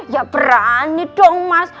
ya berani dong mas